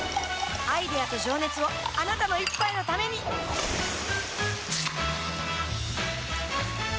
アイデアと情熱をあなたの一杯のためにプシュッ！